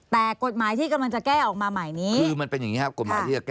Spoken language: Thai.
แต่กฎหมายที่กำลังจะแก้ออกมาใหม่นี้